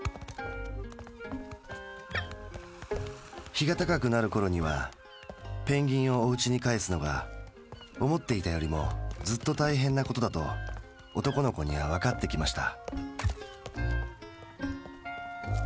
日が高くなるころにはペンギンをおうちに帰すのが思っていたよりもずっと大変なことだと男の子にはわかってきました。